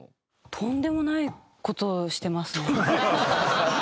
とんでもない事をしてますね。